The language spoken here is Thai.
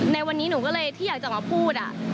ในวันนี้หนูก็เลยที่อยากจะมาพูด